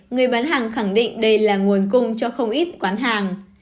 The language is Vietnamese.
người bán hàng khẳng định đây là nguồn cung cho không ít quán hàng